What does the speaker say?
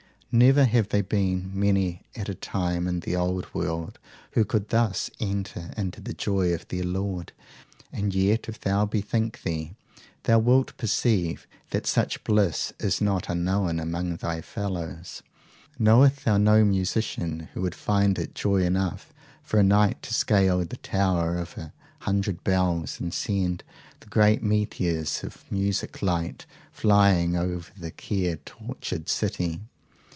Never have they been many at a time in the old world who could thus enter into the joy of their Lord. And yet, if thou bethink thee, thou wilt perceive that such bliss is not unknown amongst thy fellows. Knowest thou no musician who would find it joy enough for a night, to scale the tower of a hundred bells, and send the great meteors of music light flying over the care tortured city?